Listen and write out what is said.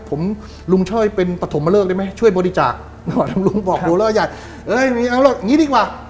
ผมลุงช่วยเป็นปฐมเลิกได้ไหมช่วยบริจาคลุงบอกกูแล้วอย่างนี้ดีกว่า